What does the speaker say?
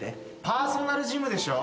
パーソナルジムでしょ？